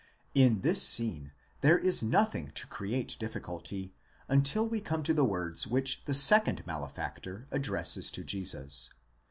In this scene there is nothing to create difficulty, until we come to the words which the second malefactor addresses to Jesus.